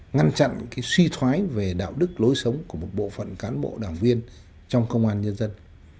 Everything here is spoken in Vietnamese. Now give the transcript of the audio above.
ngăn chặn suy thoái về đạo đức lối sống của một bộ phận cán bộ đảng viên trong công an nhân dân